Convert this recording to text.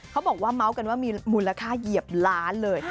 เขาบอกว่าเมาส์กันว่ามีมูลค่าเหยียบล้านเลย